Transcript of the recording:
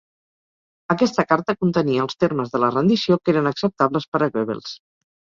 Aquesta carta contenia els termes de la rendició que eren acceptables per a Goebbels.